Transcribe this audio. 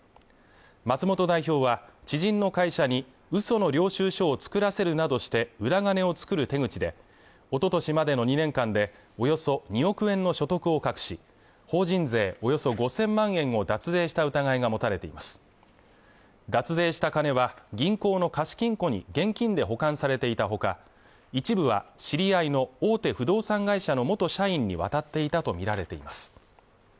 松本代表は知人の会社にうその領収書を作らせるなどして裏金を作る手口でおととしまでの２年間でおよそ２億円の所得を隠し法人税およそ５０００万円を脱税した疑いが持たれています脱税した金は銀行の貸金庫に現金で保管されていたほか一部は知り合いの大手不動産会社の元社員に渡っていたとみられています